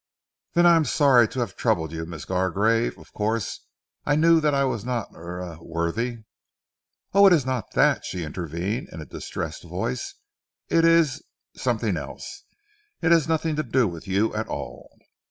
"Then I am sorry to have troubled you, Miss Gargrave. Of course I knew that I was not er worthy " "Oh, it is not that," she intervened in a distressed voice. "It is something else, it has nothing to do with you at all!"